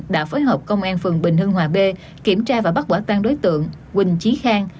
đã phối hợp công an phường bình hương hòa b kiểm tra và bắt bỏ tan đối tượng huỳnh trí khang